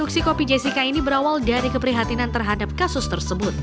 sianida jawa timur